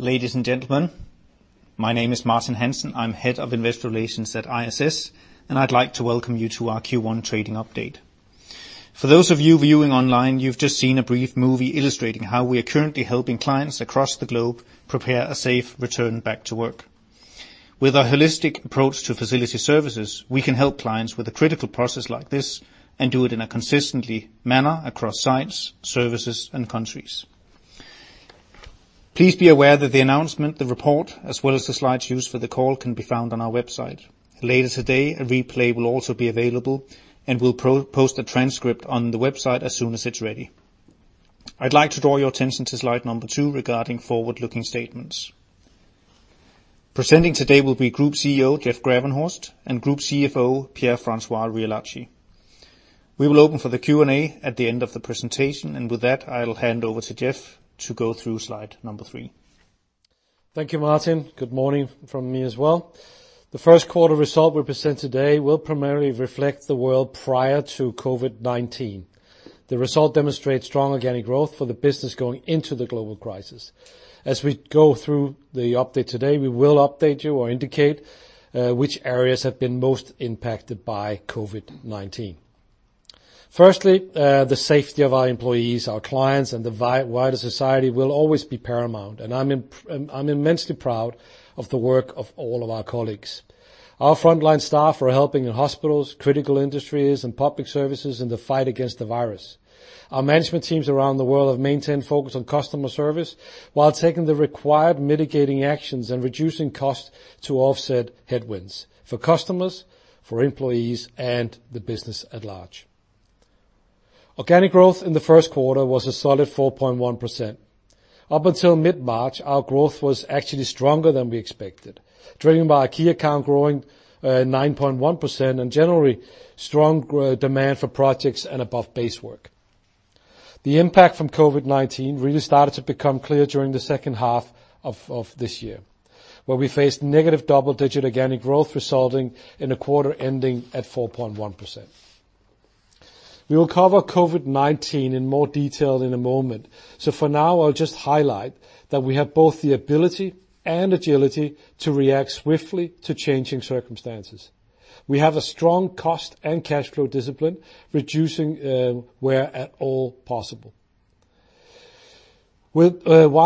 Ladies and gentlemen, my name is Martin Hansen. I'm Head of Investor Relations at ISS, and I'd like to welcome you to our Q1 trading update. For those of you viewing online, you've just seen a brief movie illustrating how we are currently helping clients across the globe prepare a safe return back to work. With our holistic approach to facility services, we can help clients with a critical process like this and do it in a consistent manner across sites, services, and countries. Please be aware that the announcement, the report, as well as the slides used for the call, can be found on our website. Later today, a replay will also be available, and we'll post a transcript on the website as soon as it's ready. I'd like to draw your attention to slide number two regarding forward-looking statements. Presenting today will be Group CEO Jeff Gravenhorst and Group CFO Pierre-François Riolacci. We will open for the Q&A at the end of the presentation, and with that, I'll hand over to Jeff to go through slide number three. Thank you, Martin. Good morning from me as well. The first quarter result we present today will primarily reflect the world prior to COVID-19. The result demonstrates strong organic growth for the business going into the global crisis. As we go through the update today, we will update you or indicate which areas have been most impacted by COVID-19. Firstly, the safety of our employees, our clients, and the wider society will always be paramount, and I'm immensely proud of the work of all of our colleagues. Our frontline staff are helping in hospitals, critical industries, and public services in the fight against the virus. Our management teams around the world have maintained focus on customer service while taking the required mitigating actions and reducing costs to offset headwinds for customers, for employees, and the business at large. Organic growth in the first quarter was a solid 4.1%. Up until mid-March, our growth was actually stronger than we expected, driven by a key account growing 9.1% and generally strong demand for projects and above base work. The impact from COVID-19 really started to become clear during the second half of this year, where we faced negative double-digit organic growth resulting in a quarter ending at 4.1%. We will cover COVID-19 in more detail in a moment, so for now, I'll just highlight that we have both the ability and agility to react swiftly to changing circumstances. We have a strong cost and cash flow discipline, reducing where at all possible. While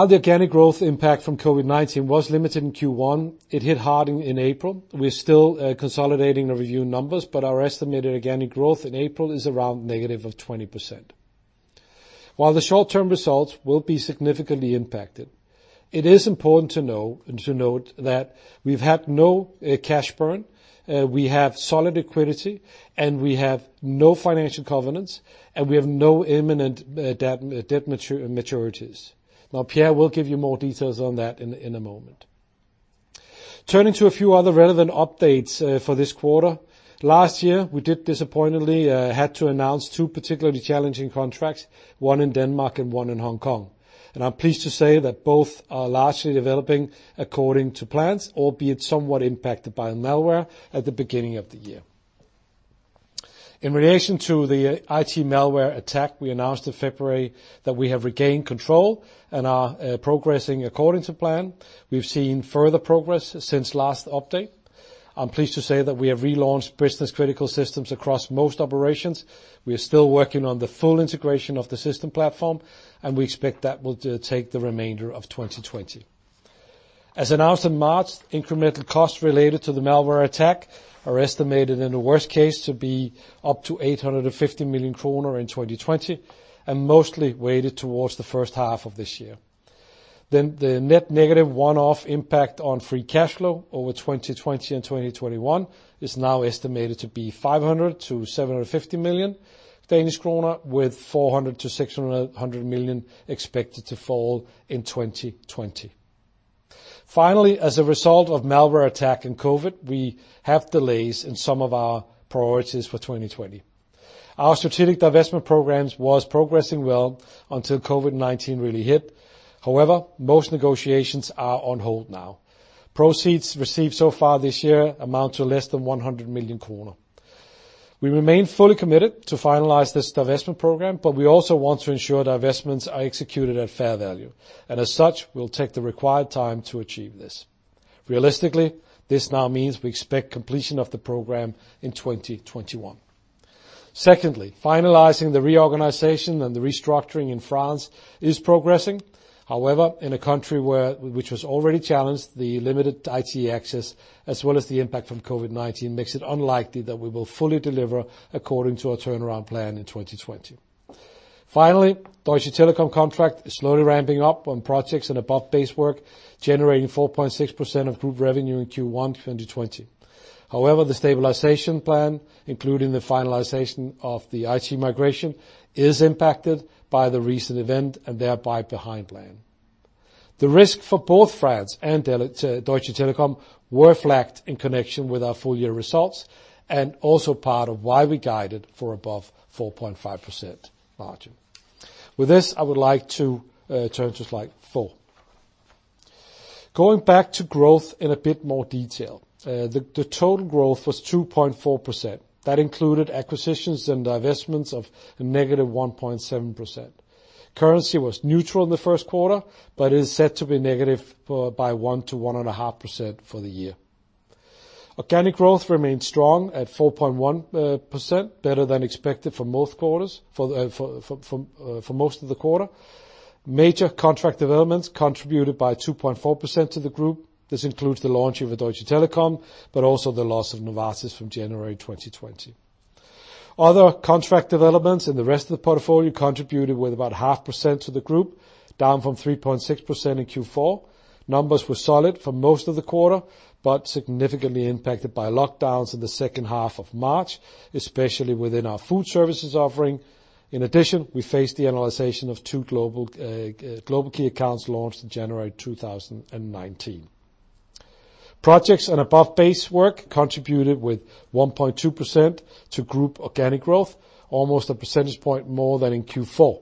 the organic growth impact from COVID-19 was limited in Q1, it hit hard in April. We're still consolidating the revenue numbers, but our estimated organic growth in April is around negative of 20%. While the short-term results will be significantly impacted, it is important to know and to note that we've had no cash burn, we have solid liquidity, and we have no financial covenants, and we have no imminent debt maturities. Now, Pierre will give you more details on that in a moment. Turning to a few other relevant updates for this quarter, last year, we did disappointingly had to announce two particularly challenging contracts, one in Denmark and one in Hong Kong, and I'm pleased to say that both are largely developing according to plans, albeit somewhat impacted by malware at the beginning of the year. In relation to the IT malware attack, we announced in February that we have regained control and are progressing according to plan. We've seen further progress since last update. I'm pleased to say that we have relaunched business-critical systems across most operations. We are still working on the full integration of the system platform, and we expect that will take the remainder of 2020. As announced in March, incremental costs related to the malware attack are estimated in the worst case to be up to 850 million kroner in 2020 and mostly weighted towards the first half of this year. Then the net negative one-off impact on free cash flow over 2020 and 2021 is now estimated to be 500 million-750 million Danish krone, with 400 million-600 million expected to fall in 2020. Finally, as a result of malware attack and COVID, we have delays in some of our priorities for 2020. Our strategic divestment programs were progressing well until COVID-19 really hit. However, most negotiations are on hold now. Proceeds received so far this year amount to less than 100 million kroner. We remain fully committed to finalize this divestment program, but we also want to ensure divestments are executed at fair value, and as such, we'll take the required time to achieve this. Realistically, this now means we expect completion of the program in 2021. Secondly, finalizing the reorganization and the restructuring in France is progressing. However, in a country which was already challenged, the limited IT access, as well as the impact from COVID-19, makes it unlikely that we will fully deliver according to our turnaround plan in 2020. Finally, Deutsche Telekom's contract is slowly ramping up on projects and above base work, generating 4.6% of group revenue in Q1 2020. However, the stabilization plan, including the finalization of the IT migration, is impacted by the recent event and thereby behind plan. The risk for both France and Deutsche Telekom was flagged in connection with our full year results and also part of why we guided for above 4.5% margin. With this, I would like to turn to slide four. Going back to growth in a bit more detail, the total growth was 2.4%. That included acquisitions and divestments of -1.7%. Currency was neutral in the first quarter, but it is set to be negative by 1-1.5% for the year. Organic growth remained strong at 4.1%, better than expected for most quarters for most of the quarter. Major contract developments contributed by 2.4% to the group. This includes the launch of Deutsche Telekom, but also the loss of Novartis from January 2020. Other contract developments in the rest of the portfolio contributed with about 0.5% to the group, down from 3.6% in Q4. Numbers were solid for most of the quarter, but significantly impacted by lockdowns in the second half of March, especially within our food services offering. In addition, we faced the cancellation of two global key accounts launched in January 2019. Projects and above base work contributed with 1.2% to group organic growth, almost a percentage point more than in Q4.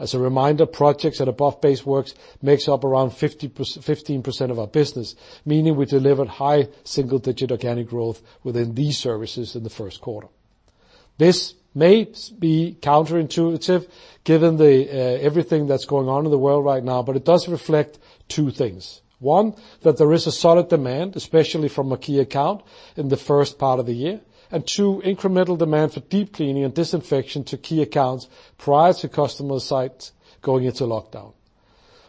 As a reminder, projects and above base works make up around 15% of our business, meaning we delivered high single-digit organic growth within these services in the first quarter. This may be counterintuitive given everything that's going on in the world right now, but it does reflect two things. One, that there is a solid demand, especially from a key account in the first part of the year, and two, incremental demand for deep cleaning and disinfection to key accounts prior to customer sites going into lockdown.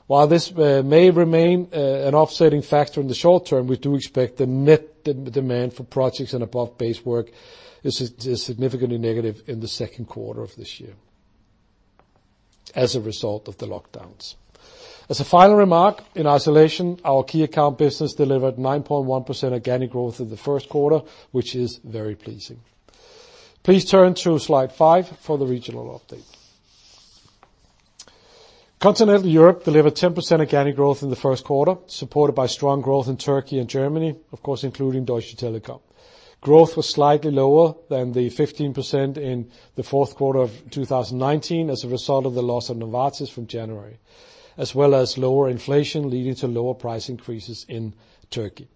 While this may remain an offsetting factor in the short term, we do expect the net demand for projects and above base work is significantly negative in the second quarter of this year as a result of the lockdowns. As a final remark, in isolation, our key account business delivered 9.1% organic growth in the first quarter, which is very pleasing. Please turn to slide five for the regional update. Continental Europe delivered 10% organic growth in the first quarter, supported by strong growth in Turkey and Germany, of course, including Deutsche Telekom. Growth was slightly lower than the 15% in the fourth quarter of 2019 as a result of the loss of Novartis from January, as well as lower inflation leading to lower price increases in Turkey.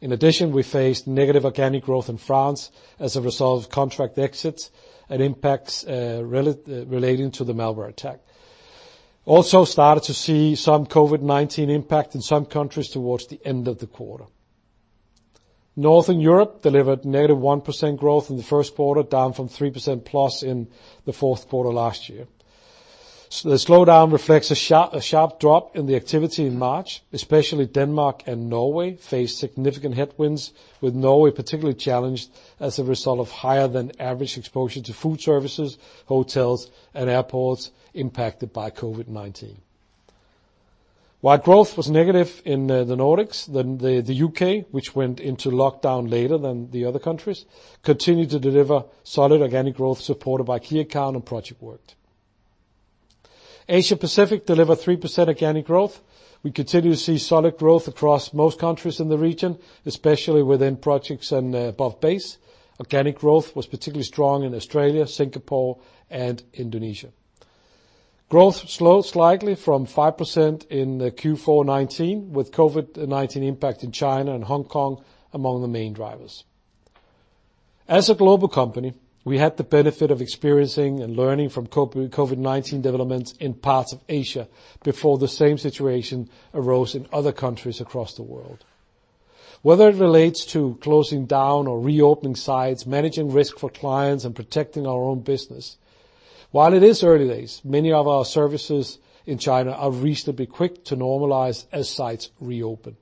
In addition, we faced negative organic growth in France as a result of contract exits and impacts relating to the malware attack. Also started to see some COVID-19 impact in some countries towards the end of the quarter. Northern Europe delivered negative 1% growth in the first quarter, down from 3% plus in the fourth quarter last year. The slowdown reflects a sharp drop in the activity in March, especially Denmark and Norway faced significant headwinds, with Norway particularly challenged as a result of higher-than-average exposure to food services, hotels, and airports impacted by COVID-19. While growth was negative in the Nordics, the U.K., which went into lockdown later than the other countries, continued to deliver solid organic growth supported by key account and project work. Asia-Pacific delivered 3% organic growth. We continue to see solid growth across most countries in the region, especially within projects and above base. Organic growth was particularly strong in Australia, Singapore, and Indonesia. Growth slowed slightly from 5% in Q4 2019, with COVID-19 impact in China and Hong Kong among the main drivers. As a global company, we had the benefit of experiencing and learning from COVID-19 developments in parts of Asia before the same situation arose in other countries across the world. Whether it relates to closing down or reopening sites, managing risk for clients, and protecting our own business, while it is early days, many of our services in China are reasonably quick to normalize as sites reopen.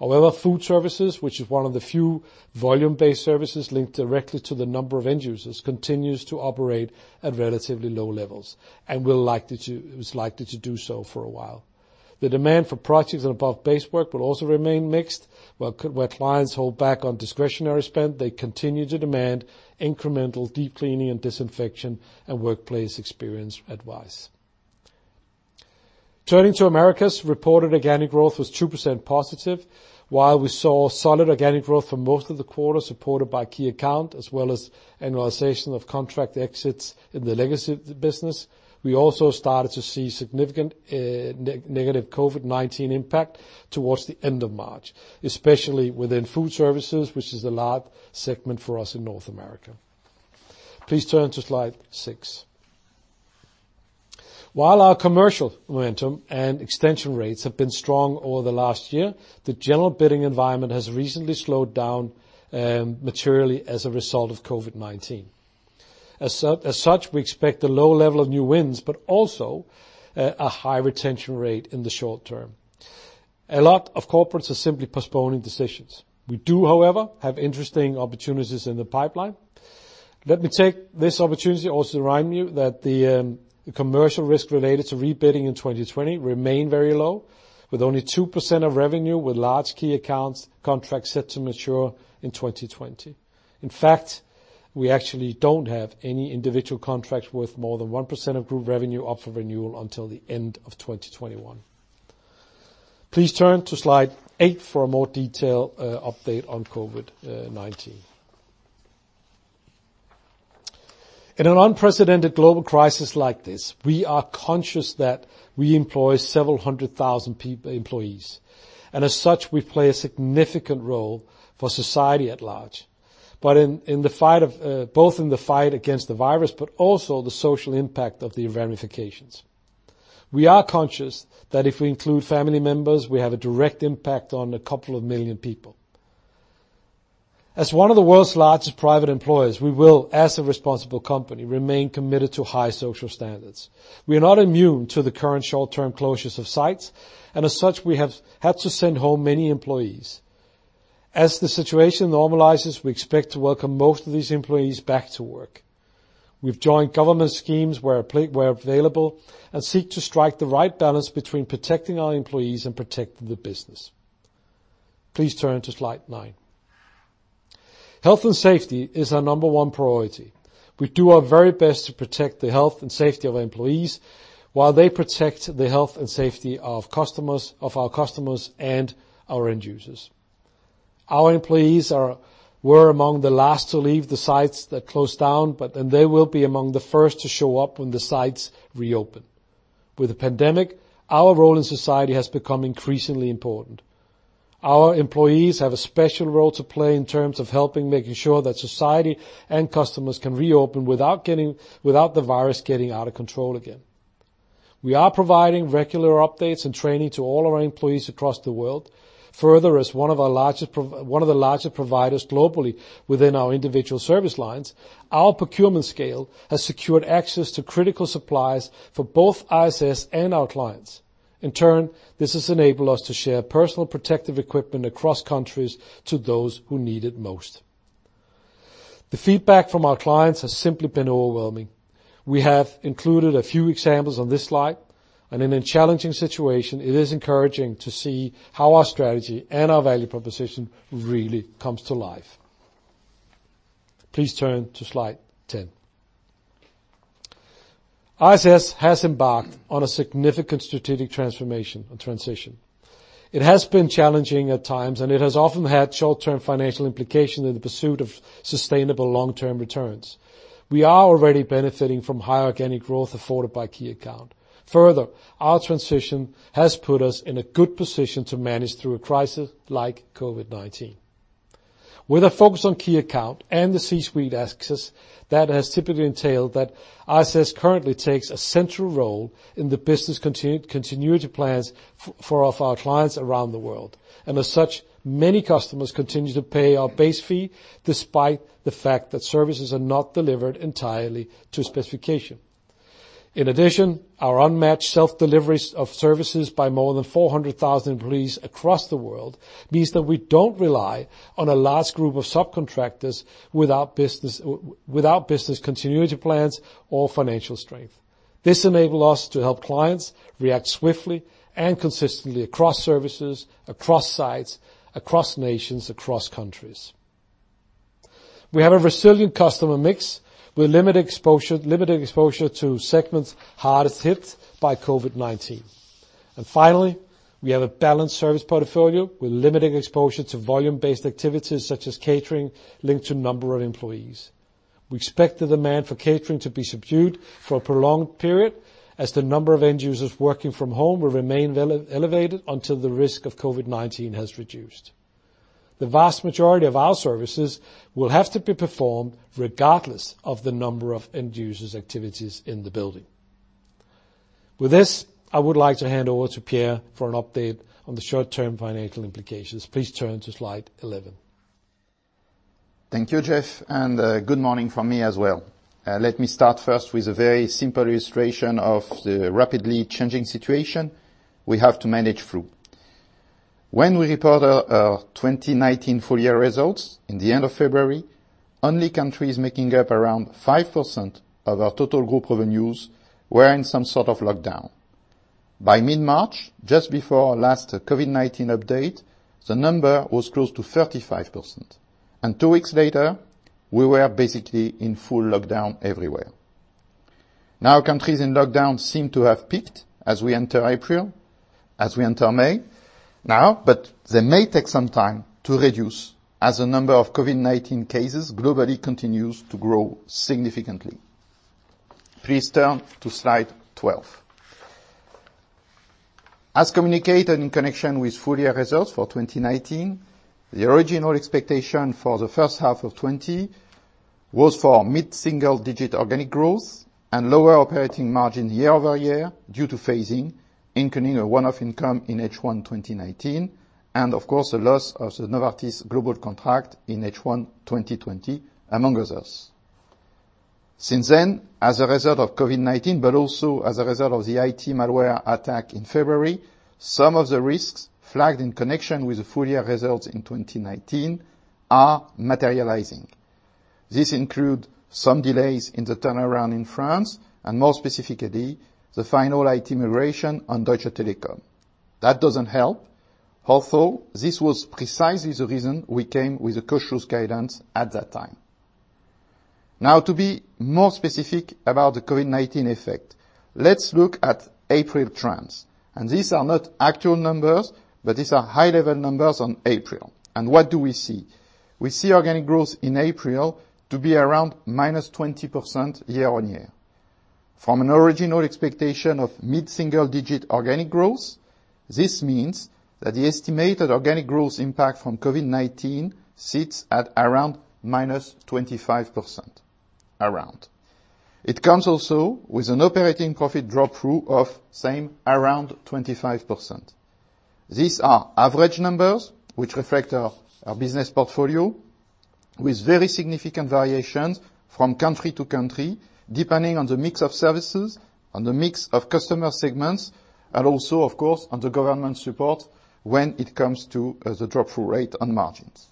However, food services, which is one of the few volume-based services linked directly to the number of end users, continues to operate at relatively low levels and is likely to do so for a while. The demand for projects and above base work will also remain mixed. Where clients hold back on discretionary spend, they continue to demand incremental deep cleaning and disinfection and workplace experience advice. Turning to Americas, reported organic growth was 2% positive. While we saw solid organic growth for most of the quarter supported by key account, as well as analysis of contract exits in the legacy business, we also started to see significant negative COVID-19 impact towards the end of March, especially within food services, which is the large segment for us in North America. Please turn to slide six. While our commercial momentum and extension rates have been strong over the last year, the general bidding environment has recently slowed down materially as a result of COVID-19. As such, we expect a low level of new wins, but also a high retention rate in the short term. A lot of corporates are simply postponing decisions. We do, however, have interesting opportunities in the pipeline. Let me take this opportunity also to remind you that the commercial risk related to rebidding in 2020 remained very low, with only 2% of revenue, with large key accounts contracts set to mature in 2020. In fact, we actually don't have any individual contracts worth more than 1% of group revenue up for renewal until the end of 2021. Please turn to slide eight for a more detailed update on COVID-19. In an unprecedented global crisis like this, we are conscious that we employ several hundred thousand employees, and as such, we play a significant role for society at large, both in the fight against the virus, but also the social impact of the ramifications. We are conscious that if we include family members, we have a direct impact on a couple of million people. As one of the world's largest private employers, we will, as a responsible company, remain committed to high social standards. We are not immune to the current short-term closures of sites, and as such, we have had to send home many employees. As the situation normalizes, we expect to welcome most of these employees back to work. We've joined government schemes where available and seek to strike the right balance between protecting our employees and protecting the business. Please turn to slide nine. Health and safety is our number one priority. We do our very best to protect the health and safety of our employees while they protect the health and safety of our customers and our end users. Our employees were among the last to leave the sites that closed down, but they will be among the first to show up when the sites reopen. With the pandemic, our role in society has become increasingly important. Our employees have a special role to play in terms of helping make sure that society and customers can reopen without the virus getting out of control again. We are providing regular updates and training to all our employees across the world. Further, as one of the largest providers globally within our individual service lines, our procurement scale has secured access to critical supplies for both ISS and our clients. In turn, this has enabled us to share personal protective equipment across countries to those who need it most. The feedback from our clients has simply been overwhelming. We have included a few examples on this slide, and in a challenging situation, it is encouraging to see how our strategy and our value proposition really comes to life. Please turn to slide 10. ISS has embarked on a significant strategic transformation and transition. It has been challenging at times, and it has often had short-term financial implications in the pursuit of sustainable long-term returns. We are already benefiting from high organic growth afforded by key account. Further, our transition has put us in a good position to manage through a crisis like COVID-19. With a focus on key account and the C-suite access, that has typically entailed that ISS currently takes a central role in the business continuity plans for our clients around the world, and as such, many customers continue to pay our base fee despite the fact that services are not delivered entirely to specification. In addition, our unmatched self-delivery of services by more than 400,000 employees across the world means that we don't rely on a large group of subcontractors without business continuity plans or financial strength. This enables us to help clients react swiftly and consistently across services, across sites, across nations, across countries. We have a resilient customer mix with limited exposure to segments hardest hit by COVID-19. And finally, we have a balanced service portfolio with limited exposure to volume-based activities such as catering linked to number of employees. We expect the demand for catering to be subdued for a prolonged period as the number of end users working from home will remain elevated until the risk of COVID-19 has reduced. The vast majority of our services will have to be performed regardless of the number of end users' activities in the building. With this, I would like to hand over to Pierre for an update on the short-term financial implications. Please turn to slide 11. Thank you, Jeff, and good morning from me as well. Let me start first with a very simple illustration of the rapidly changing situation we have to manage through. When we reported our 2019 full year results in the end of February, only countries making up around 5% of our total group revenues were in some sort of lockdown. By mid-March, just before our last COVID-19 update, the number was close to 35%, and two weeks later, we were basically in full lockdown everywhere. Now countries in lockdown seem to have peaked as we enter April, as we enter May now, but they may take some time to reduce as the number of COVID-19 cases globally continues to grow significantly. Please turn to slide 12. As communicated in connection with full-year results for 2019, the original expectation for the first half of 2020 was for mid-single-digit organic growth and lower operating margin year over year due to phasing incoming a one-off income in H1 2019, and of course, the loss of the Novartis Global contract in H1 2020 among others. Since then, as a result of COVID-19, but also as a result of the IT malware attack in February, some of the risks flagged in connection with the full-year results in 2019 are materializing. This includes some delays in the turnaround in France and, more specifically, the final IT migration on Deutsche Telekom. That doesn't help, although this was precisely the reason we came with a cautious guidance at that time. Now, to be more specific about the COVID-19 effect, let's look at April trends. And these are not actual numbers, but these are high-level numbers on April. And what do we see? We see organic growth in April to be around minus 20% year on year. From an original expectation of mid-single-digit organic growth, this means that the estimated organic growth impact from COVID-19 sits at around minus 25%. It comes also with an operating profit drop-through of, same, around 25%. These are average numbers which reflect our business portfolio with very significant variations from country to country, depending on the mix of services, on the mix of customer segments, and also, of course, on the government support when it comes to the drop-through rate on margins.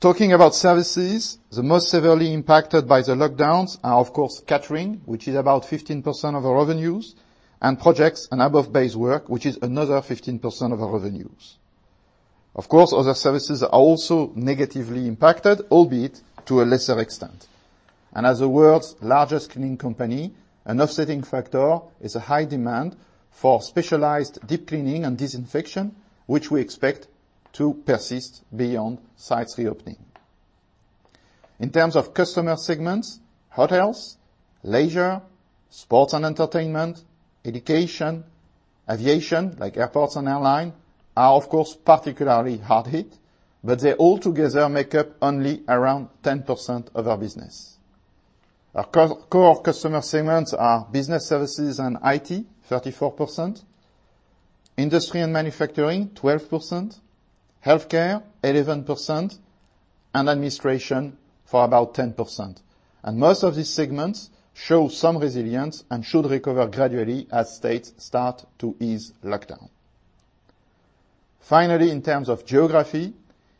Talking about services, the most severely impacted by the lockdowns are, of course, catering, which is about 15% of our revenues, and projects and above base work, which is another 15% of our revenues. Of course, other services are also negatively impacted, albeit to a lesser extent. And as the world's largest cleaning company, an upsetting factor is a high demand for specialized deep cleaning and disinfection, which we expect to persist beyond sites reopening. In terms of customer segments, hotels, leisure, sports and entertainment, education, aviation like airports and airlines are, of course, particularly hard hit, but they all together make up only around 10% of our business. Our core customer segments are business services and IT, 34%, industry and manufacturing, 12%, healthcare, 11%, and administration for about 10%. And most of these segments show some resilience and should recover gradually as states start to ease lockdown. Finally, in terms of geography,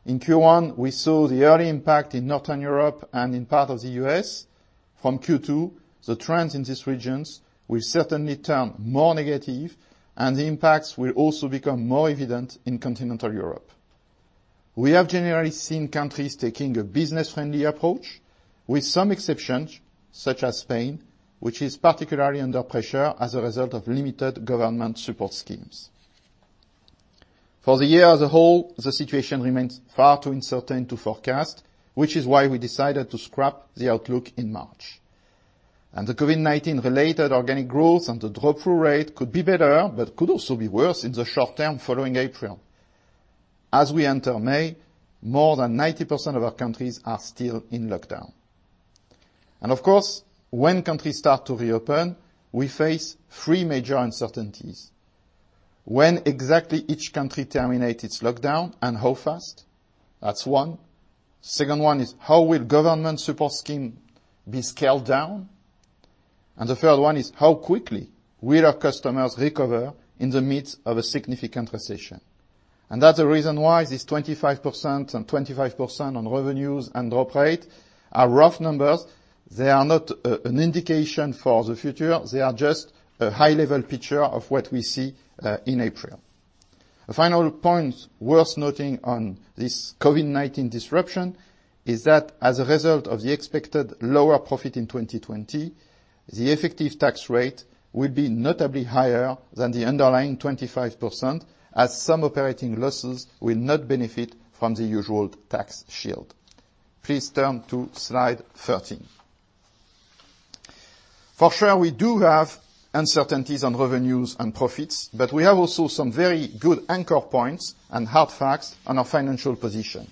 in Q1, we saw the early impact in Northern Europe and in part of the U.S. From Q2, the trends in these regions will certainly turn more negative, and the impacts will also become more evident in Continental Europe. We have generally seen countries taking a business-friendly approach with some exceptions, such as Spain, which is particularly under pressure as a result of limited government support schemes. For the year as a whole, the situation remains far too uncertain to forecast, which is why we decided to scrap the outlook in March, and the COVID-19-related organic growth and the drop-through rate could be better, but could also be worse in the short term following April. As we enter May, more than 90% of our countries are still in lockdown, and of course, when countries start to reopen, we face three major uncertainties. When exactly each country terminates its lockdown and how fast? That's one. The second one is how will government support schemes be scaled down? And the third one is how quickly will our customers recover in the midst of a significant recession? And that's the reason why these 25% and 25% on revenues and drop rate are rough numbers. They are not an indication for the future. They are just a high-level picture of what we see in April. A final point worth noting on this COVID-19 disruption is that as a result of the expected lower profit in 2020, the effective tax rate will be notably higher than the underlying 25%, as some operating losses will not benefit from the usual tax shield. Please turn to slide 13. For sure, we do have uncertainties on revenues and profits, but we have also some very good anchor points and hard facts on our financial position.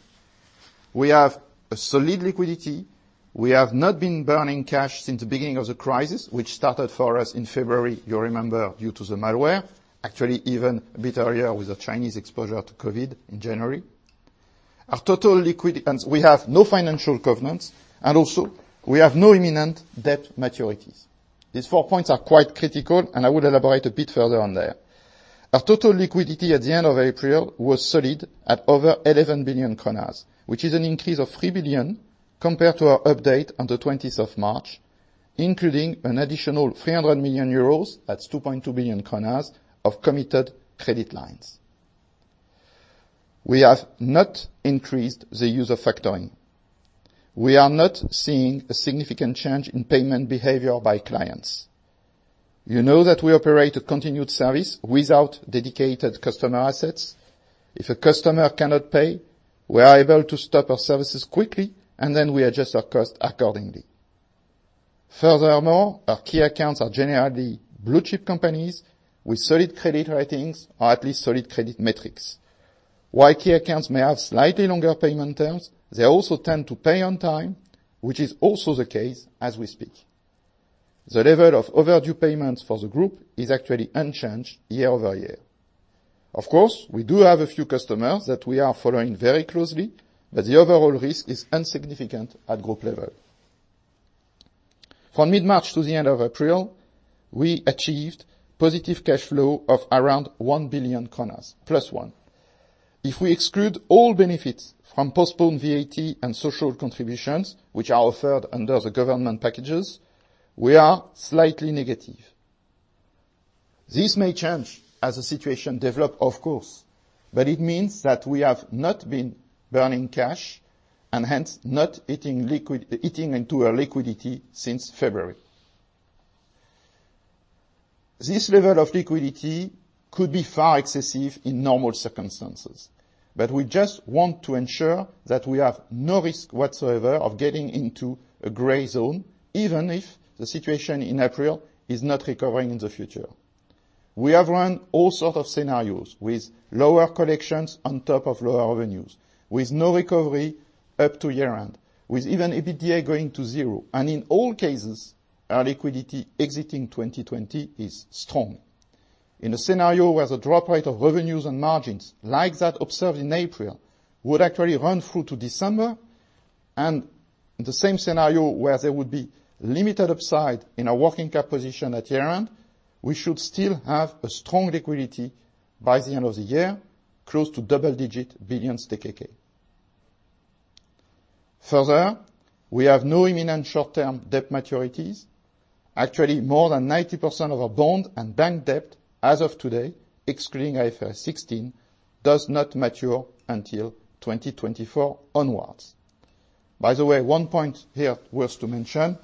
We have solid liquidity. We have not been burning cash since the beginning of the crisis, which started for us in February, you remember, due to the malware. Actually, even a bit earlier with the Chinese exposure to COVID in January. We have no financial covenants, and also, we have no imminent debt maturities. These four points are quite critical, and I will elaborate a bit further on there. Our total liquidity at the end of April was solid at 11 billion kroner, which is an increase of 3 billion compared to our update on the 20th of March, including an additional 300 million euros, that's 2.2 billion kroner, of committed credit lines. We have not increased the use of factoring. We are not seeing a significant change in payment behavior by clients. You know that we operate a continued service without dedicated customer assets. If a customer cannot pay, we are able to stop our services quickly, and then we adjust our costs accordingly. Furthermore, our key accounts are generally blue-chip companies with solid credit ratings or at least solid credit metrics. While key accounts may have slightly longer payment terms, they also tend to pay on time, which is also the case as we speak. The level of overdue payments for the group is actually unchanged year over year. Of course, we do have a few customers that we are following very closely, but the overall risk is insignificant at group level. From mid-March to the end of April, we achieved positive cash flow of around 1 billion kroner, plus one. If we exclude all benefits from postponed VAT and social contributions, which are offered under the government packages, we are slightly negative. This may change as the situation develops, of course, but it means that we have not been burning cash and hence not eating into our liquidity since February. This level of liquidity could be far excessive in normal circumstances, but we just want to ensure that we have no risk whatsoever of getting into a gray zone, even if the situation in April is not recovering in the future. We have run all sorts of scenarios with lower collections on top of lower revenues, with no recovery up to year-end, with even EBITDA going to zero, and in all cases, our liquidity exiting 2020 is strong. In a scenario where the drop rate of revenues and margins like that observed in April would actually run through to December, and the same scenario where there would be limited upside in our working cap position at year-end, we should still have a strong liquidity by the end of the year, close to double-digit billions DKK. Further, we have no imminent short-term debt maturities. Actually, more than 90% of our bond and bank debt as of today, excluding IFRS 16, does not mature until 2024 onwards. By the way, one point here worth to mention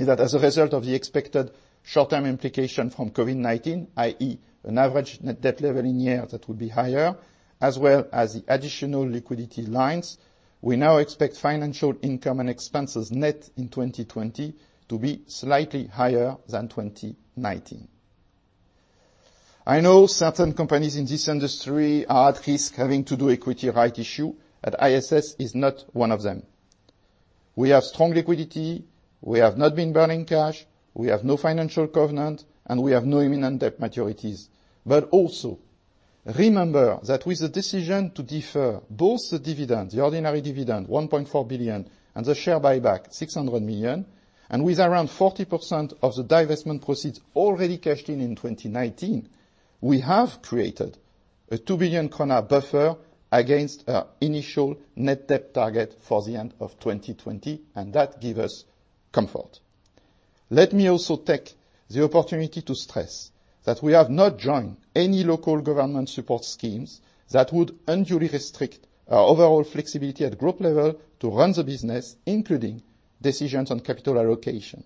is that as a result of the expected short-term implication from COVID-19, i.e., an average net debt level in the year that would be higher, as well as the additional liquidity lines, we now expect financial income and expenses net in 2020 to be slightly higher than 2019. I know certain companies in this industry are at risk having to do equity rights issue, but ISS is not one of them. We have strong liquidity. We have not been burning cash. We have no financial covenant, and we have no imminent debt maturities. But also, remember that with the decision to defer both the dividend, the ordinary dividend, 1.4 billion, and the share buyback, 600 million, and with around 40% of the divestment proceeds already cashed in in 2019, we have created a 2 billion buffer against our initial net debt target for the end of 2020, and that gives us comfort. Let me also take the opportunity to stress that we have not joined any local government support schemes that would unduly restrict our overall flexibility at group level to run the business, including decisions on capital allocation.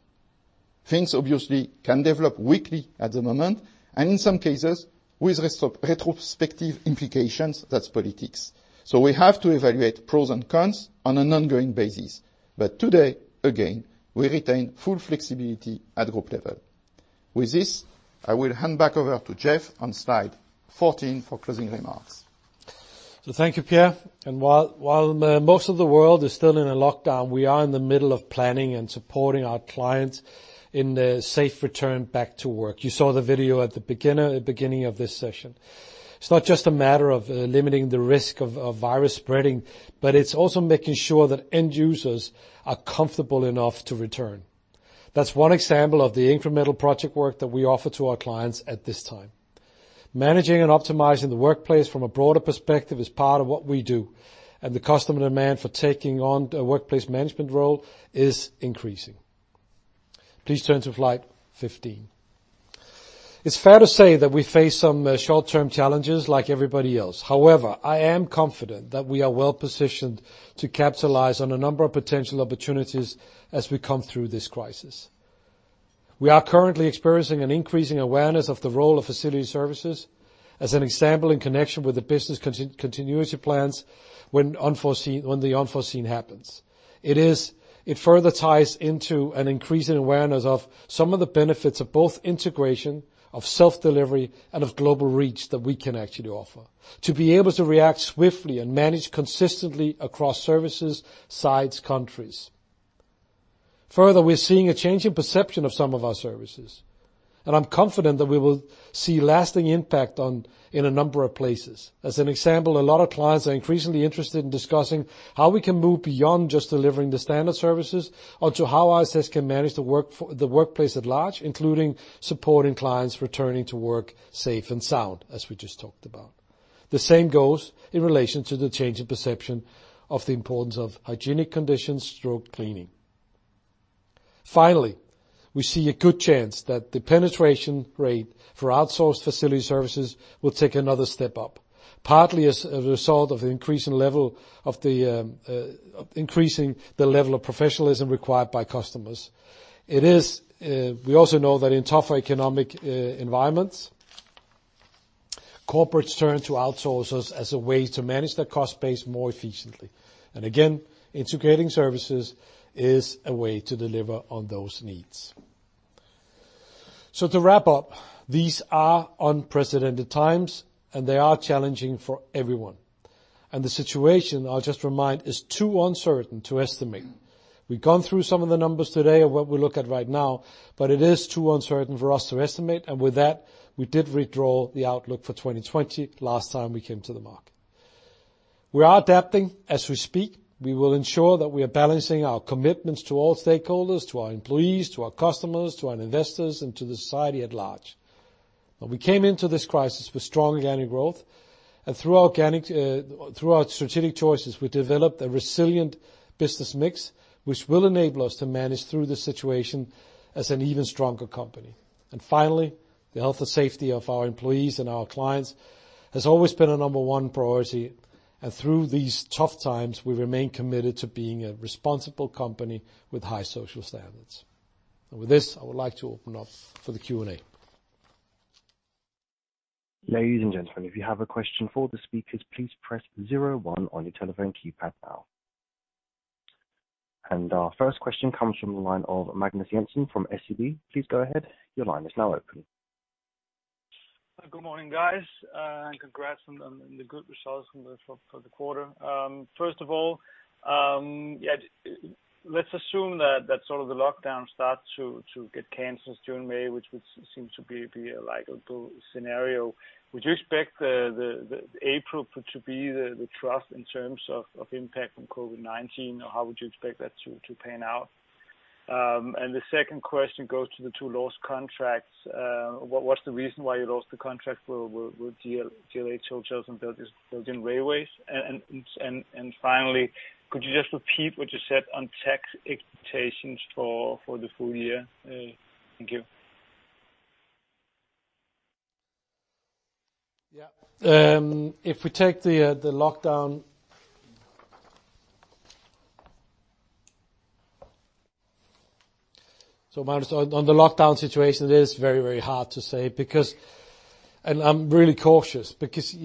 Things obviously can develop weakly at the moment, and in some cases, with retrospective implications, that's politics. So we have to evaluate pros and cons on an ongoing basis. But today, again, we retain full flexibility at group level. With this, I will hand back over to Jeff on slide 14 for closing remarks. Thank you, Pierre. And while most of the world is still in a lockdown, we are in the middle of planning and supporting our clients in the safe return back to work. You saw the video at the beginning of this session. It's not just a matter of limiting the risk of virus spreading, but it's also making sure that end users are comfortable enough to return. That's one example of the incremental project work that we offer to our clients at this time. Managing and optimizing the workplace from a broader perspective is part of what we do, and the customer demand for taking on a workplace management role is increasing. Please turn to slide 15. It's fair to say that we face some short-term challenges like everybody else. However, I am confident that we are well positioned to capitalize on a number of potential opportunities as we come through this crisis. We are currently experiencing an increasing awareness of the role of facility services as an example in connection with the business continuity plans when the unforeseen happens. It further ties into an increasing awareness of some of the benefits of both integration, of self-delivery, and of global reach that we can actually offer, to be able to react swiftly and manage consistently across services, sites, countries. Further, we're seeing a change in perception of some of our services, and I'm confident that we will see lasting impact in a number of places. As an example, a lot of clients are increasingly interested in discussing how we can move beyond just delivering the standard services to how ISS can manage the workplace at large, including supporting clients returning to work safe and sound, as we just talked about. The same goes in relation to the change in perception of the importance of hygienic conditions, deep cleaning. Finally, we see a good chance that the penetration rate for outsourced facility services will take another step up, partly as a result of the increasing level of professionalism required by customers. We also know that in tougher economic environments, corporates turn to outsourcers as a way to manage their cost base more efficiently. And again, integrating services is a way to deliver on those needs. So to wrap up, these are unprecedented times, and they are challenging for everyone. And the situation, I'll just remind, is too uncertain to estimate. We've gone through some of the numbers today of what we look at right now, but it is too uncertain for us to estimate. And with that, we did withdraw the outlook for 2020 last time we came to the market. We are adapting as we speak. We will ensure that we are balancing our commitments to all stakeholders, to our employees, to our customers, to our investors, and to the society at large. We came into this crisis with strong organic growth, and through our strategic choices, we developed a resilient business mix, which will enable us to manage through the situation as an even stronger company. And finally, the health and safety of our employees and our clients has always been a number one priority. And through these tough times, we remain committed to being a responsible company with high social standards. And with this, I would like to open up for the Q&A. Ladies and gentlemen, if you have a question for the speakers, please press 01 on your telephone keypad now. And our first question comes from the line of Magnus Jensen from SEB. Please go ahead. Your line is now open. Good morning, guys. Congrats on the good results for the quarter. First of all, let's assume that sort of the lockdown starts to get canceled during May, which would seem to be a likely scenario. Would you expect April to be the trough in terms of impact from COVID-19, or how would you expect that to pan out? The second question goes to the two lost contracts. What's the reason why you lost the contract with DLH Holds and Building Railways? And finally, could you just repeat what you said on tax expectations for the full year? Thank you. Yeah. If we take the lockdown, so Magnus, on the lockdown situation, it is very, very hard to say because, and I'm really cautious, because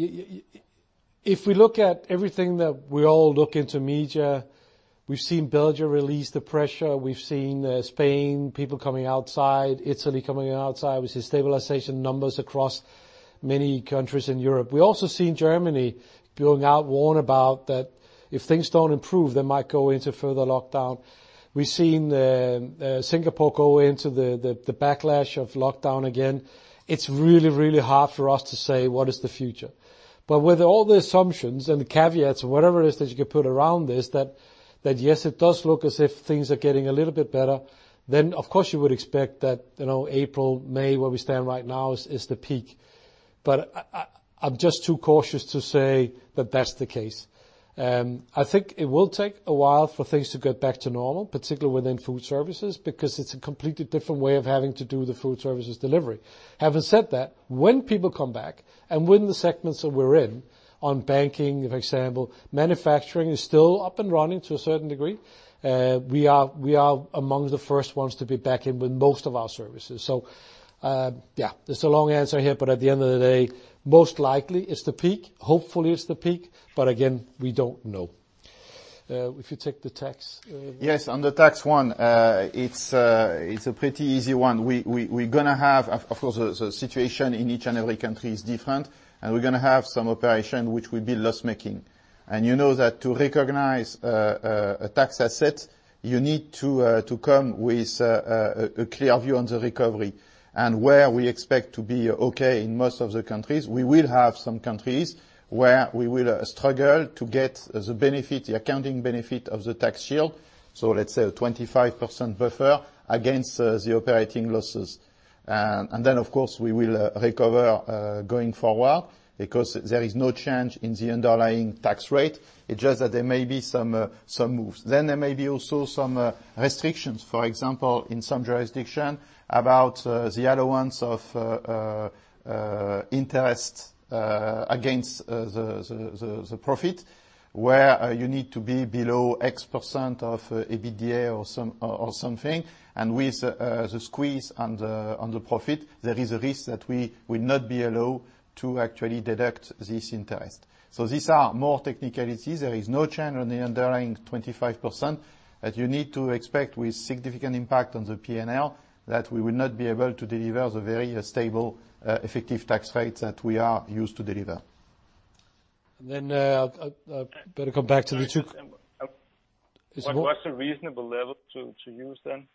if we look at everything that we all look into media, we've seen Belgium release the pressure. We've seen Spain, people coming outside, Italy coming outside, with the stabilization numbers across many countries in Europe. We've also seen Germany going out, warned about that if things don't improve, they might go into further lockdown. We've seen Singapore go into the backlash of lockdown again. It's really, really hard for us to say what is the future. But with all the assumptions and the caveats and whatever it is that you could put around this, that yes, it does look as if things are getting a little bit better, then of course you would expect that April, May, where we stand right now, is the peak. But I'm just too cautious to say that that's the case. I think it will take a while for things to get back to normal, particularly within food services, because it's a completely different way of having to do the food services delivery. Having said that, when people come back and when the segments that we're in, on banking, for example, manufacturing is still up and running to a certain degree. We are among the first ones to be back in with most of our services. So yeah, it's a long answer here, but at the end of the day, most likely it's the peak. Hopefully, it's the peak, but again, we don't know. If you take the tax. Yes, on the tax one, it's a pretty easy one. We're going to have-of course, the situation in each and every country is different-and we're going to have some operation which will be loss-making. And you know that to recognize a tax asset, you need to come with a clear view on the recovery. And where we expect to be okay in most of the countries, we will have some countries where we will struggle to get the benefit, the accounting benefit of the tax shield. So let's say a 25% buffer against the operating losses. And then, of course, we will recover going forward because there is no change in the underlying tax rate. It's just that there may be some moves. Then there may be also some restrictions, for example, in some jurisdictions about the allowance of interest against the profit, where you need to be below X% of EBITDA or something. And with the squeeze on the profit, there is a risk that we will not be allowed to actually deduct this interest. So these are more technicalities. There is no change on the underlying 25% that you need to expect with significant impact on the P&L, that we will not be able to deliver the very stable, effective tax rates that we are used to deliver. And then I better come back to the two. What's a reasonable level to use then?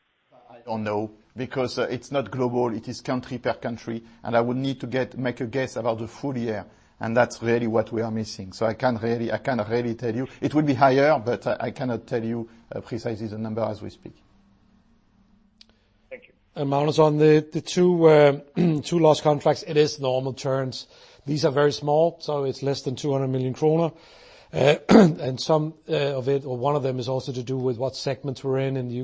I don't know because it's not global. It is country per country. And I would need to make a guess about the full year. And that's really what we are missing. So I can't really tell you. It will be higher, but I cannot tell you precisely the number as we speak. Thank you. And Magnus, on the two lost contracts, it is normal terms. These are very small, so it's less than 200 million kroner. And some of it, or one of them, is also to do with what segments we're in in the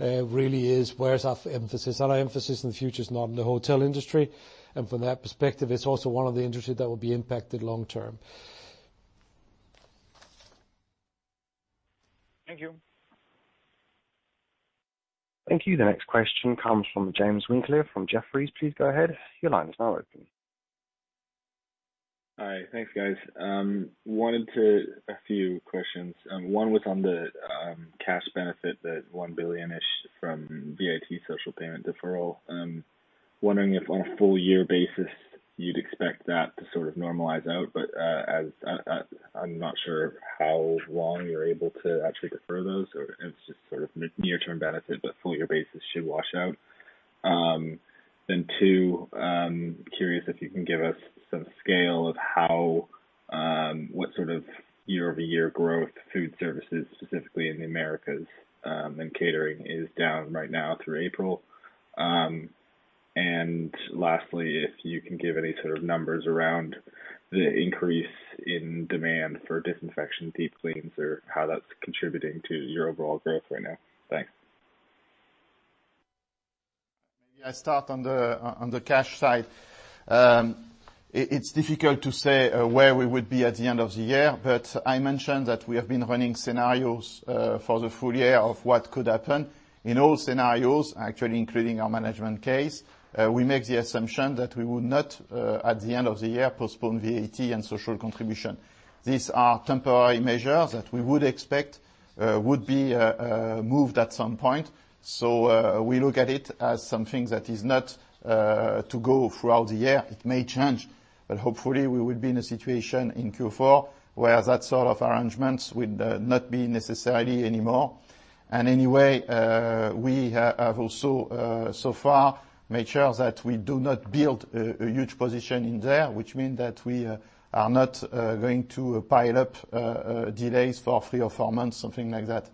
U.K., really is where's our emphasis. Our emphasis in the future is not in the hotel industry. And from that perspective, it's also one of the industries that will be impacted long term. Thank you. Thank you. The next question comes from James Winkler from Jefferies. Please go ahead. Your line is now open. Hi. Thanks, guys. I wanted to ask a few questions. One was on the cash benefit that 1 billion-ish from VAT social payment deferral. I'm wondering if on a full-year basis, you'd expect that to sort of normalize out, but I'm not sure how long you're able to actually defer those, or it's just sort of near-term benefit, but full-year basis should wash out. Then, two, curious if you can give us some scale of what sort of year-over-year growth, food services specifically in the Americas and catering is down right now through April. And lastly, if you can give any sort of numbers around the increase in demand for disinfection, deep cleans, or how that's contributing to your overall growth right now. Thanks. Maybe I start on the cash side. It's difficult to say where we would be at the end of the year, but I mentioned that we have been running scenarios for the full year of what could happen. In all scenarios, actually, including our management case, we make the assumption that we would not, at the end of the year, postpone VAT and social contribution. These are temporary measures that we would expect would be moved at some point. So we look at it as something that is not to go throughout the year. It may change, but hopefully, we would be in a situation in Q4 where that sort of arrangement would not be necessarily anymore. And anyway, we have also, so far, made sure that we do not build a huge position in there, which means that we are not going to pile up delays for three or four months, something like that.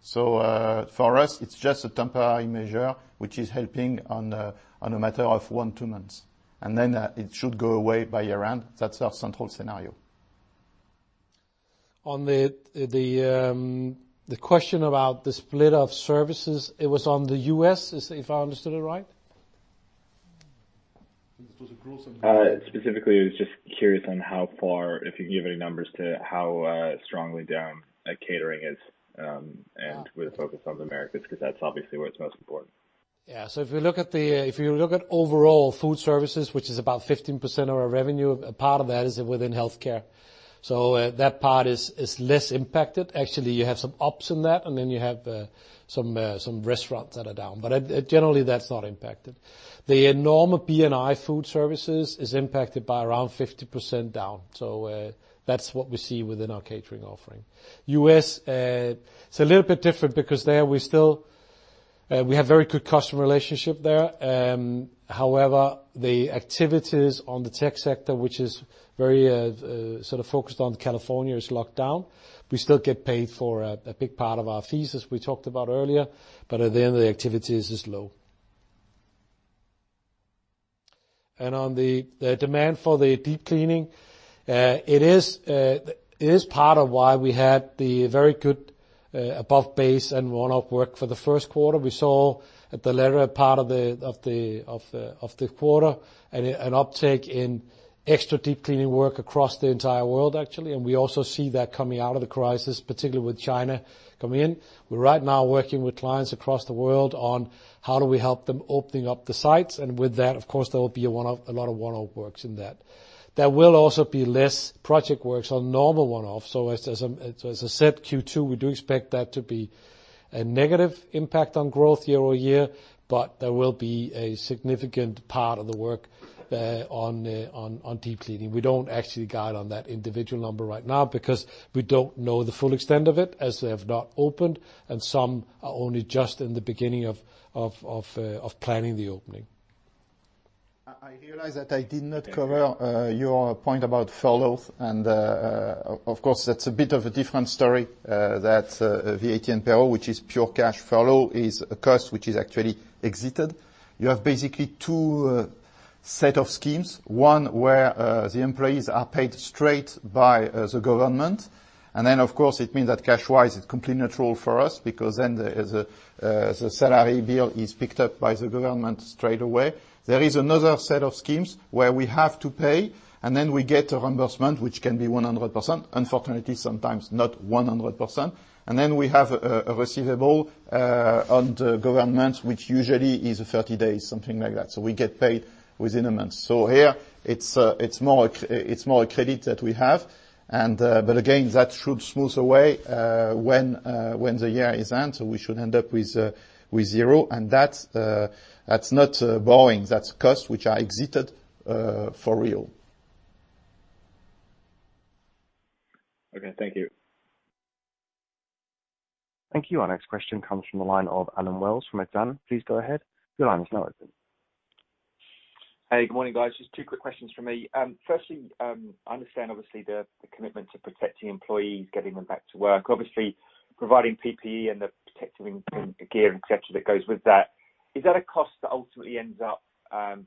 So for us, it's just a temporary measure, which is helping on a matter of one to two months. And then it should go away by year-end. That's our central scenario. On the question about the split of services, it was on the U.S., if I understood it right. Specifically, I was just curious on how far, if you can give any numbers to how strongly down catering is and with a focus on the Americas, because that's obviously where it's most important. Yeah. So if you look at overall food services, which is about 15% of our revenue, a part of that is within healthcare. So that part is less impacted. Actually, you have some ups in that, and then you have some restaurants that are down. But generally, that's not impacted. The enormous B&I food services is impacted by around 50% down. So that's what we see within our catering offering. U.S., it's a little bit different because there we still have very good customer relationship there. However, the activities on the tech sector, which is very sort of focused on California, is locked down. We still get paid for a big part of our fees, as we talked about earlier, but at the end, the activity is low. And on the demand for the deep cleaning, it is part of why we had the very good above base and one-off work for the first quarter. We saw at the later part of the quarter an uptake in extra deep cleaning work across the entire world, actually. And we also see that coming out of the crisis, particularly with China coming in. We're right now working with clients across the world on how do we help them opening up the sites. And with that, of course, there will be a lot of one-off works in that. There will also be less project works on normal one-offs. So as I said, Q2, we do expect that to be a negative impact on growth year over year, but there will be a significant part of the work on deep cleaning. We don't actually guide on that individual number right now because we don't know the full extent of it, as they have not opened, and some are only just in the beginning of planning the opening. I realize that I did not cover your point about furloughs, and of course, that's a bit of a different story. That VAT and Payroll, which is pure cash furlough, is a cost which is actually exited. You have basically two set of schemes. One where the employees are paid straight by the government, and then, of course, it means that cash-wise, it's completely natural for us because then the salary bill is picked up by the government straight away. There is another set of schemes where we have to pay, and then we get a reimbursement, which can be 100%. Unfortunately, sometimes not 100%. And then we have a receivable on the government, which usually is 30 days, something like that. So we get paid within a month. So here, it's more a credit that we have. But again, that should smooth away when the year ends, so we should end up with zero. And that's not borrowing. That's costs which are incurred for real. Okay. Thank you. Thank you. Our next question comes from the line of Alan Wells from Exane. Please go ahead. Your line is now open. Hey, good morning, guys. Just two quick questions for me. Firstly, I understand, obviously, the commitment to protecting employees, getting them back to work, obviously providing PPE and the protective gear, etc., that goes with that. Is that a cost that ultimately ends up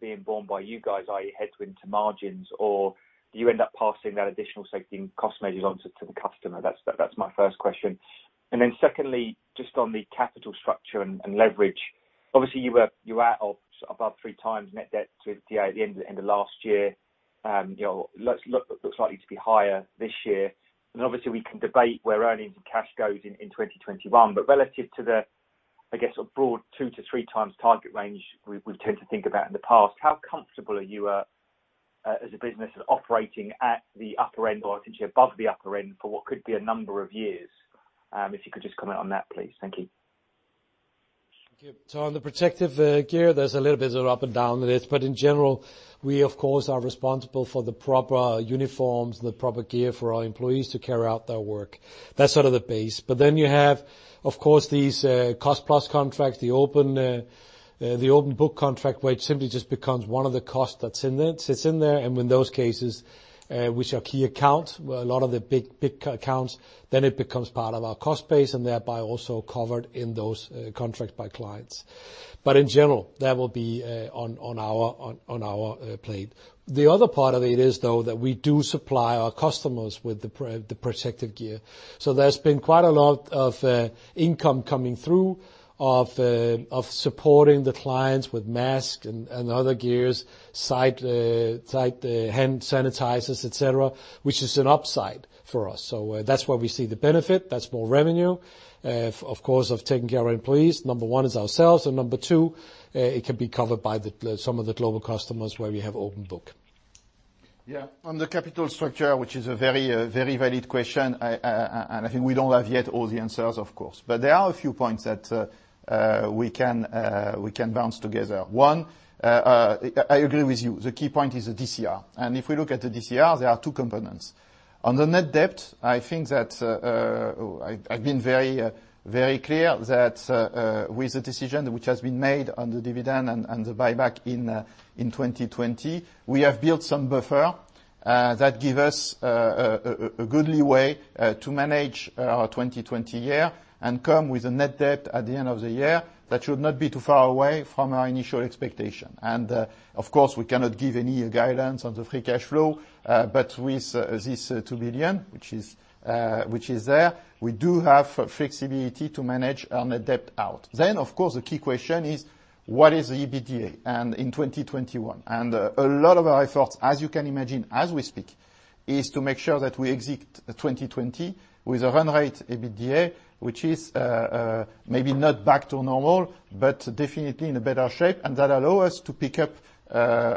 being borne by you guys, i.e., headwind to margins, or do you end up passing that additional safety and cost measures onto the customer? That's my first question. And then secondly, just on the capital structure and leverage, obviously, you were at or above three times net debt at the end of last year. It looks likely to be higher this year. And obviously, we can debate where earnings and cash goes in 2021, but relative to the, I guess, broad two to three times target range we've tended to think about in the past, how comfortable are you as a business in operating at the upper end or potentially above the upper end for what could be a number of years? If you could just comment on that, please. Thank you. So on the protective gear, there's a little bit of up and down with it. But in general, we, of course, are responsible for the proper uniforms, the proper gear for our employees to carry out their work. That's sort of the base. But then you have, of course, these cost-plus contracts, the open-book contract, where it simply just becomes one of the costs that sits in there. And in those cases, which are key accounts, a lot of the big accounts, then it becomes part of our cost base and thereby also covered in those contracts by clients. But in general, that will be on our plate. The other part of it is, though, that we do supply our customers with the protective gear. There's been quite a lot of income coming through of supporting the clients with masks and other gears, hand sanitizers, etc., which is an upside for us. So that's where we see the benefit. That's more revenue, of course, of taking care of our employees. Number one is ourselves. And number two, it can be covered by some of the global customers where we have open-book. Yeah. On the capital structure, which is a very valid question, and I think we don't have yet all the answers, of course. But there are a few points that we can bounce together. One, I agree with you. The key point is the DCR. And if we look at the DCR, there are two components. On the net debt, I think that I've been very clear that with the decision which has been made on the dividend and the buyback in 2020, we have built some buffer that gives us a good leeway to manage our 2020 year and come with a net debt at the end of the year that should not be too far away from our initial expectation. And of course, we cannot give any guidance on the free cash flow, but with this 2 billion, which is there, we do have flexibility to manage our net debt out. Then, of course, the key question is, what is the EBITDA in 2021? A lot of our efforts, as you can imagine as we speak, is to make sure that we exit 2020 with a run rate EBITDA, which is maybe not back to normal, but definitely in a better shape, and that allows us to pick up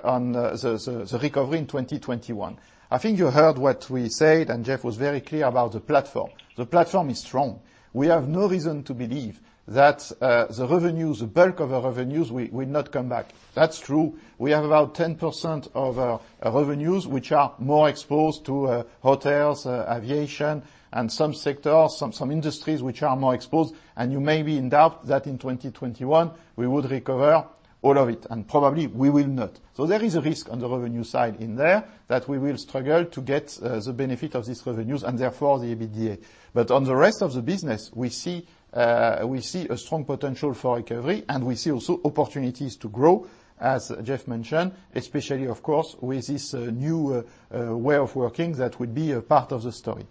on the recovery in 2021. I think you heard what we said, and Jeff was very clear about the platform. The platform is strong. We have no reason to believe that the revenues, the bulk of our revenues, will not come back. That's true. We have about 10% of our revenues, which are more exposed to hotels, aviation, and some sectors, some industries, which are more exposed. You may be in doubt that in 2021, we would recover all of it. And probably, we will not. So there is a risk on the revenue side in there that we will struggle to get the benefit of these revenues and therefore the EBITDA. But on the rest of the business, we see a strong potential for recovery, and we see also opportunities to grow, as Jeff mentioned, especially, of course, with this new way of working that would be a part of the story.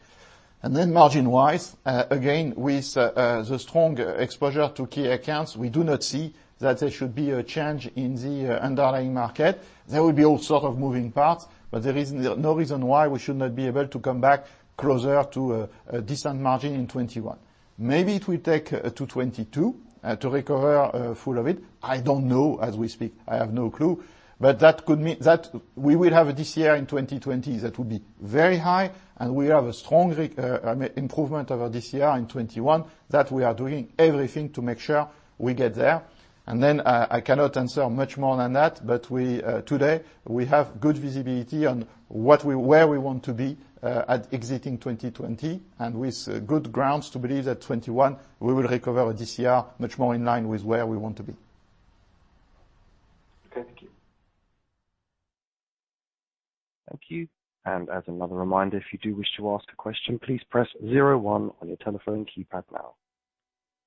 And then margin-wise, again, with the strong exposure to key accounts, we do not see that there should be a change in the underlying market. There will be all sorts of moving parts, but there is no reason why we should not be able to come back closer to a decent margin in 2021. Maybe it will take to 2022 to recover full of it. I don't know as we speak. I have no clue. But that we will have a DCR in 2020 that will be very high, and we have a strong improvement of our DCR in 2021 that we are doing everything to make sure we get there. And then I cannot answer much more than that, but today, we have good visibility on where we want to be at exiting 2020, and with good grounds to believe that 2021, we will recover a DCR much more in line with where we want to be. Okay. Thank you. Thank you. And as another reminder, if you do wish to ask a question, please press 01 on your telephone keypad now.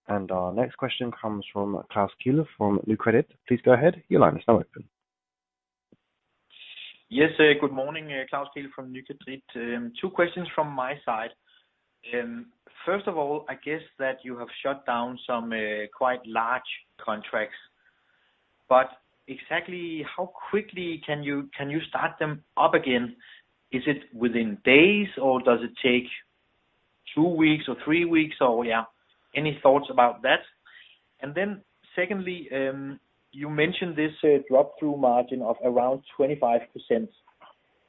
And our next question comes from Klaus Kehl from Nykredit. Please go ahead. Your line is now open. Yes, good morning. Klaus Kehl from Nykredit. Two questions from my side. First of all, I guess that you have shut down some quite large contracts, but exactly how quickly can you start them up again? Is it within days, or does it take two weeks or three weeks, or yeah? Any thoughts about that? And then secondly, you mentioned this drop-through margin of around 25%.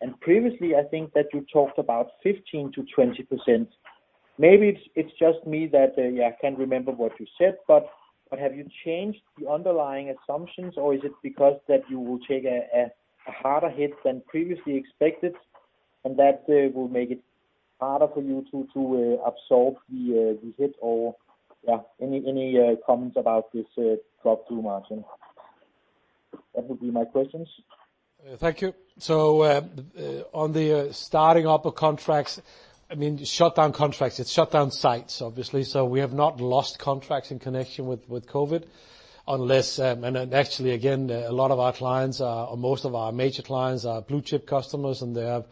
And previously, I think that you talked about 15%-20%. Maybe it's just me that, yeah, I can't remember what you said, but have you changed the underlying assumptions, or is it because that you will take a harder hit than previously expected, and that will make it harder for you to absorb the hit, or yeah, any comments about this drop-through margin? That would be my questions. Thank you. So on the starting-up of contracts, I mean, shutdown contracts, it's shutdown sites, obviously. So we have not lost contracts in connection with COVID, unless, and actually, again, a lot of our clients, or most of our major clients, are blue-chip customers, and they have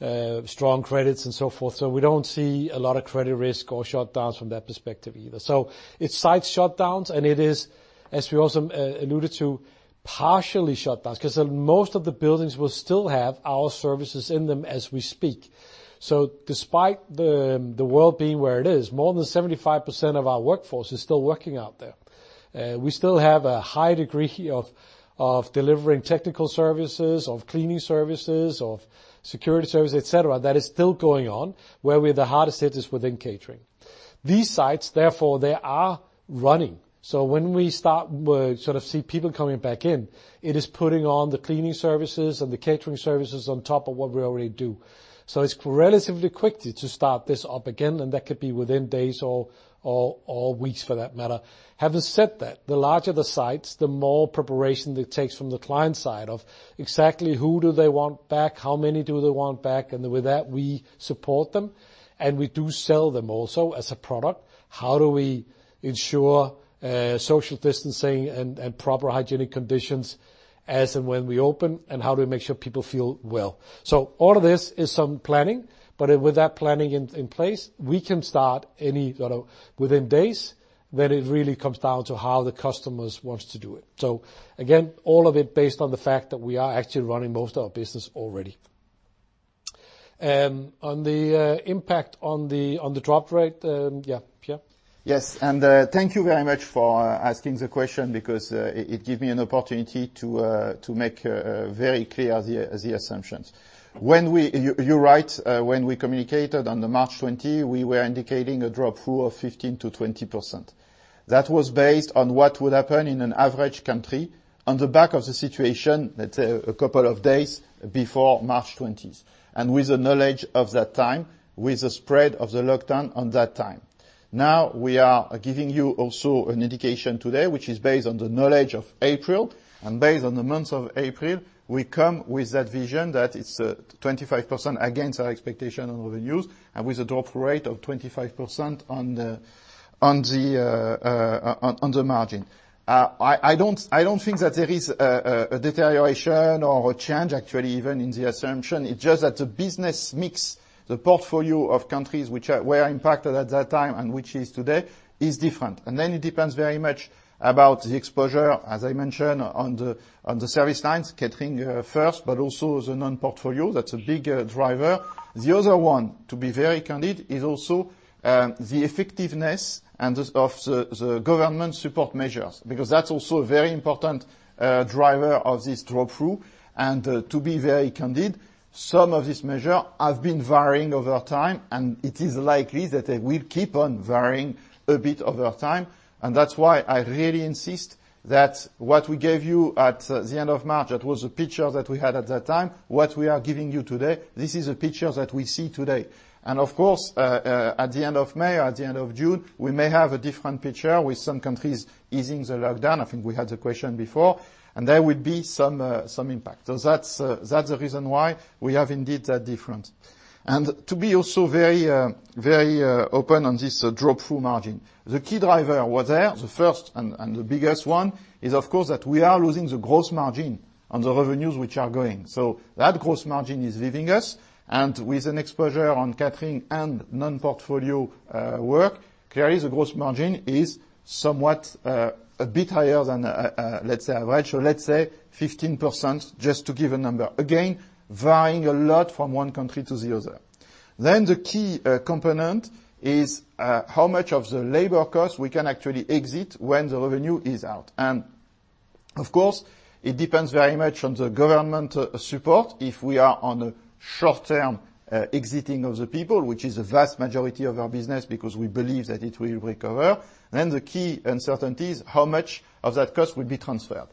strong credits and so forth. So we don't see a lot of credit risk or shutdowns from that perspective either. So it's site shutdowns, and it is, as we also alluded to, partially shutdowns because most of the buildings will still have our services in them as we speak. So despite the world being where it is, more than 75% of our workforce is still working out there. We still have a high degree of delivering technical services, of cleaning services, of security services, etc., that is still going on, where the hardest hit is within catering. These sites, therefore, they are running. So when we start to sort of see people coming back in, it is putting on the cleaning services and the catering services on top of what we already do. So it's relatively quick to start this up again, and that could be within days or weeks for that matter. Having said that, the larger the sites, the more preparation it takes from the client side of exactly who do they want back, how many do they want back, and with that, we support them. And we do sell them also as a product. How do we ensure social distancing and proper hygienic conditions as and when we open, and how do we make sure people feel well? So all of this is some planning, but with that planning in place, we can start any sort of within days. Then it really comes down to how the customers want to do it. So again, all of it based on the fact that we are actually running most of our business already. And on the impact on the drop rate, yeah, yeah? Yes. And thank you very much for asking the question because it gives me an opportunity to make very clear the assumptions. You're right. When we communicated on March 20, we were indicating a drop-through of 15%-20%. That was based on what would happen in an average country on the back of the situation, let's say, a couple of days before March 20, and with the knowledge of that time, with the spread of the lockdown on that time. Now, we are giving you also an indication today, which is based on the knowledge of April, and based on the months of April, we come with that vision that it's 25% against our expectation on revenues and with a drop-through rate of 25% on the margin. I don't think that there is a deterioration or a change, actually, even in the assumption. It's just that the business mix, the portfolio of countries where I impacted at that time and which is today, is different. Then it depends very much about the exposure, as I mentioned, on the service lines, catering first, but also the non-portfolio. That's a big driver. The other one, to be very candid, is also the effectiveness of the government support measures because that's also a very important driver of this drop-through. And to be very candid, some of these measures have been varying over time, and it is likely that they will keep on varying a bit over time. And that's why I really insist that what we gave you at the end of March, that was the picture that we had at that time, what we are giving you today, this is a picture that we see today. And of course, at the end of May or at the end of June, we may have a different picture with some countries easing the lockdown. I think we had the question before. And there would be some impact. So that's the reason why we have indeed that difference. And to be also very open on this drop-through margin, the key driver was there. The first and the biggest one is, of course, that we are losing the gross margin on the revenues which are going. So that gross margin is leaving us. And with an exposure on catering and non-portfolio work, clearly, the gross margin is somewhat a bit higher than, let's say, average. So let's say 15%, just to give a number. Again, varying a lot from one country to the other. Then the key component is how much of the labor cost we can actually exit when the revenue is out. And of course, it depends very much on the government support if we are on a short-term exiting of the people, which is a vast majority of our business because we believe that it will recover. Then the key uncertainty is how much of that cost will be transferred.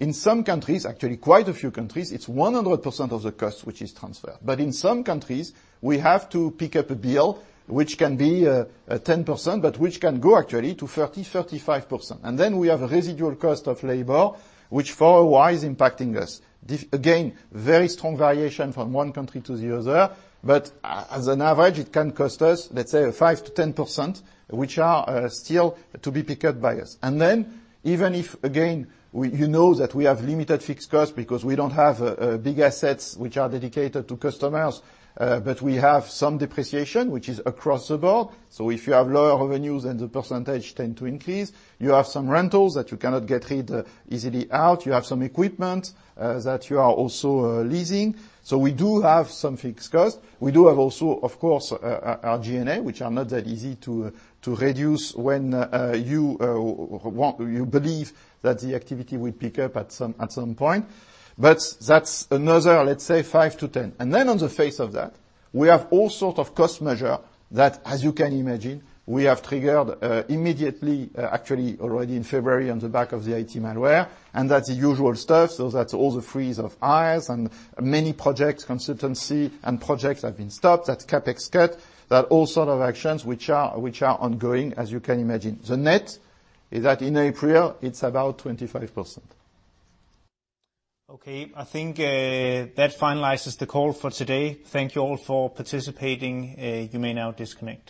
In some countries, actually quite a few countries, it's 100% of the cost which is transferred. But in some countries, we have to pick up a bill which can be 10%, but which can go actually to 30%-35%. And then we have a residual cost of labor, which for a while is impacting us. Again, very strong variation from one country to the other, but as an average, it can cost us, let's say, 5%-10%, which are still to be picked up by us. And then even if, again, you know that we have limited fixed costs because we don't have big assets which are dedicated to customers, but we have some depreciation, which is across the board. So if you have lower revenues and the percentage tends to increase, you have some rentals that you cannot get rid easily out. You have some equipment that you are also leasing. So we do have some fixed costs. We do have also, of course, our G&A, which are not that easy to reduce when you believe that the activity would pick up at some point. But that's another, let's say, 5 to 10. And then on the face of that, we have all sorts of cost measures that, as you can imagine, we have triggered immediately, actually already in February on the back of the IT malware. And that's the usual stuff. So that's all the freeze of IS and many project consultancy and projects have been stopped. That's CapEx cut. That's all sorts of actions which are ongoing, as you can imagine. The net is that in April, it's about 25%. Okay. I think that finalizes the call for today. Thank you all for participating. You may now disconnect.